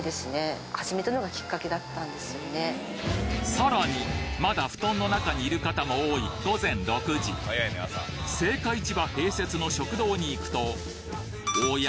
さらにまだ布団の中にいる方も多い午前６時青果市場併設の食堂に行くとおや？